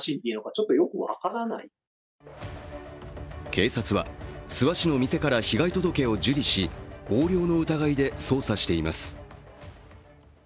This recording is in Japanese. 警察は諏訪市の店から被害届を受理し、横領の疑いで捜査しています。